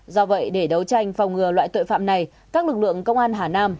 do vậy để đấu tranh phòng ngừa loại tội phạm này các lực lượng công an hà nam